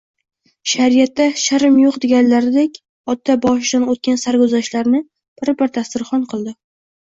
Shariatda sharm yo‘q deganlariday, ota boshidan o‘tgan sarguzashtlarni bir-bir dasturxon qildi